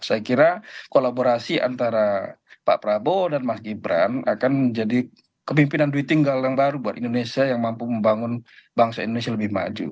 saya kira kolaborasi antara pak prabowo dan mas gibran akan menjadi kepimpinan duit tunggal yang baru buat indonesia yang mampu membangun bangsa indonesia lebih maju